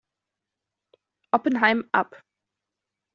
Oppenheim ab.